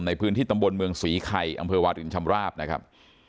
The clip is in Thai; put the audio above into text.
ในพื้นที่ตำบลเมืองศรีไข่อำเภอวารินชำราบนะครับ